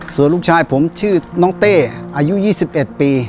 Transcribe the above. ส่วนลูกชายผมชื่อน้องเต้อายุ๒๑ปี